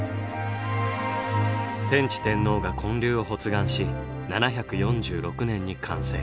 天智天皇が建立を発願し７４６年に完成。